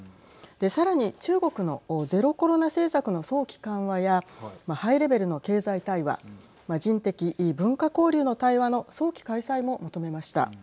さらに、中国のゼロコロナ政策の早期緩和やハイレベルの経済対話人的・文化交流の対話の早期開催も求めました。